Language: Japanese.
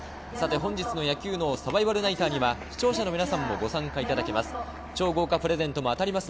本日の野球脳サバイバルナイターには、視聴者の皆さんもご参加いただけます。